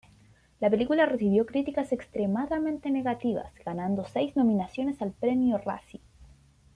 La película recibió críticas extremadamente negativas, ganando seis nominaciones al Premio Razzie.